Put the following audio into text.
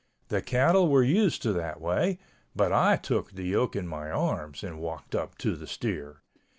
The cattle were used to that way, but I took the yoke in my arms, and walked up to the steer.